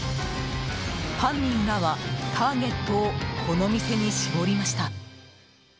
犯人らはターゲットをこの店に絞りました。